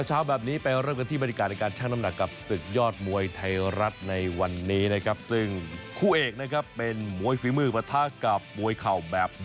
หรือกับส่ึกยอดบวยไทยรัฐในวันนี้นะครับซึ่งคู่เอกนะครับเป็นมวยฝีมือพระทากับมวยเข่า